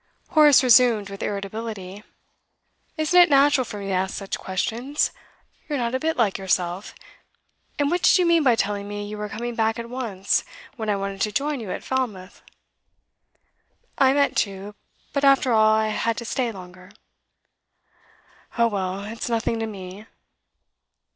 Horace resumed with irritability. 'Isn't it natural for me to ask such questions? You're not a bit like yourself. And what did you mean by telling me you were coming back at once, when I wanted to join you at Falmouth?' 'I meant to. But after all, I had to stay longer.' 'Oh well, it's nothing to me.